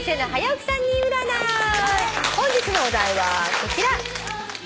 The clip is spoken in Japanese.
本日のお題はこちら。